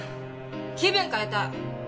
気分変えたい。